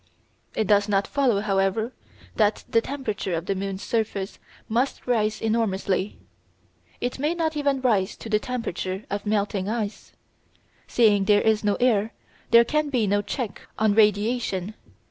It does not follow, however, that the temperature of the moon's surface must rise enormously. It may not even rise to the temperature of melting ice. Seeing there is no air there can be no check on radiation.